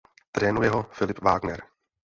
Trénuje ho Philipp Wagner.